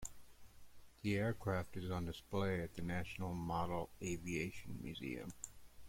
The aircraft is on display at the National Model Aviation Museum.